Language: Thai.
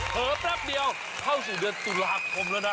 แป๊บเดียวเข้าสู่เดือนตุลาคมแล้วนะ